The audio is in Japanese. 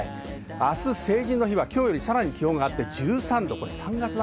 明日は今日よりさらに気温が上がって１３度。